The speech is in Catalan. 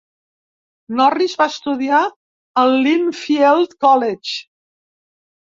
Norris va estudiar al Lynfield College.